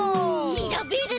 しらべるぞ！